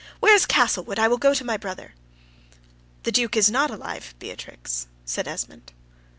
Where is Castlewood? I will go to my brother." "The Duke is not alive, Beatrix," said Esmond.